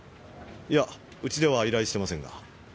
いやうちでは依頼してませんが。